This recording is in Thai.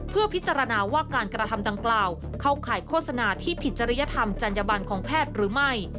เพื่อพิจารณาว่าการกระทำดังกล่าวเข้าข่ายโฆษณาที่ผิดจริยธรรมจัญญบันของแพทย์หรือไม่